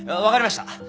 分かりました。